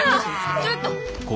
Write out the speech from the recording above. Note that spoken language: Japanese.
ちょっと。